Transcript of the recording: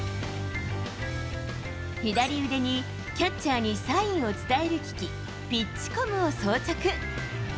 左腕にキャッチャーにサインを伝える機器、ピッチコムを装着。